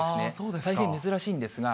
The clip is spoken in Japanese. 大変珍しいんですが。